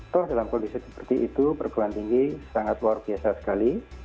toh dalam kondisi seperti itu perguruan tinggi sangat luar biasa sekali